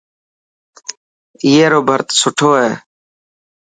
اي رو ڀرت سٺو هي.